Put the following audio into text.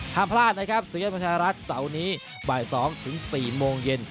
ห้ามพลาดนะครับเสียงของไทยรัฐเส้านี้บ่าย๒๔โมงเย็น